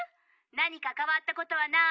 なにかかわったことはない？」。